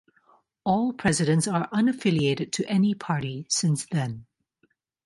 All presidents are unaffiliated to any party since then.